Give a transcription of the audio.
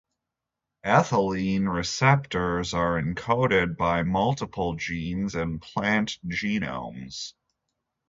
Ethylene receptors are encoded by multiple genes in plant genomes.